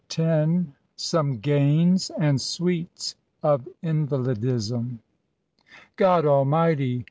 197 SOME GAINS AND SWEETS OP INVALIDISM. << God Almighty!